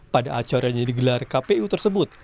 pada acaranya digelar kpu tersebut